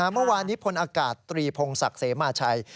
เมื่อวานนี้พลอากาศตรีพงศักดิ์เสมาชัย